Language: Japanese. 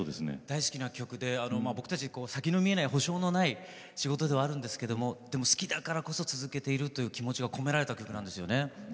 大好きな曲で僕たち先の見えない保証のない仕事ではあるんですけどもでも好きだからこそ続けているという気持ちが込められた曲なんですよね。